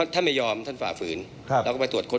ถ้าไม่ยอมท่านฝ่าฝืนแล้วก็ไปตรวจค้น